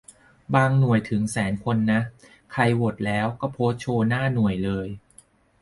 บางหน่วยถึงแสนคนนะ ใครโหวตแล้วก็โพสต์โชว์หน้าหน่วยเลย